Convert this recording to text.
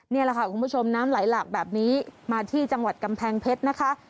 นี่แหละค่ะคุณผู้ชมน้ำไหลหลากแบบนี้มาที่จังหวัดกำแพงเพชรนะคะ